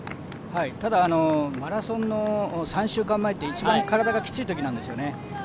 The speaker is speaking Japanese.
ただマラソンの３週間前って体が一番きついときなんですよね。